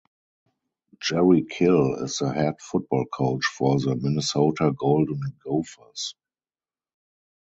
Jerry Kill is the head football coach for the Minnesota Golden Gophers.